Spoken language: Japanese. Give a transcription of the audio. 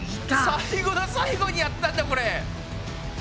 最後の最後にやってたんだこれ！